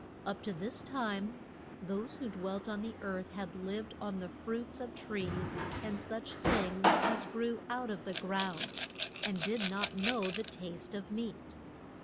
Up to this time those who dwelt on the earth had lived on the fruits of trees and such things as grew out of the ground, and did not know the taste of meat.